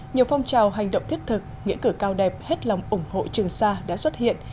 nhiều phong trào hành động thiết thực nghĩa cử cao đẹp hết lòng ủng hộ trường sa đã xuất hiện